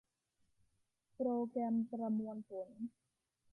โปรแกรมประมวลผล